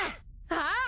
ああ！